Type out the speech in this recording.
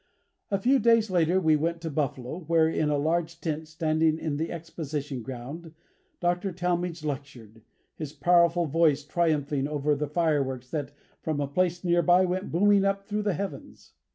A few days later we went to Buffalo, where, in a large tent standing in the Exposition ground, Dr. Talmage lectured, his powerful voice triumphing over the fireworks that, from a place near by, went booming up through the heavens.